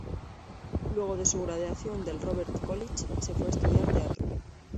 Luego de su graduación del Robert College, se fue a estudiar teatro.